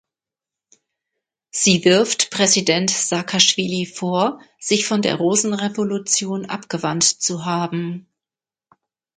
Sie wirft Präsident Saakaschwili vor, sich von der Rosenrevolution abgewandt zu haben.